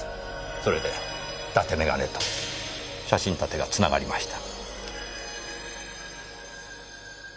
それで伊達眼鏡と写真立てがつながりました。